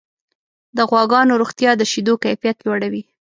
د غواګانو روغتیا د شیدو کیفیت لوړوي.